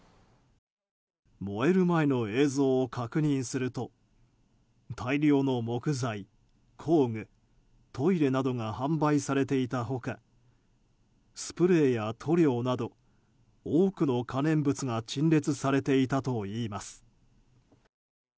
燃える前の映像を確認すると大量の木材、工具トイレなどが販売されていた他スプレーや塗料など多くの可燃物が陳列されていたといいます。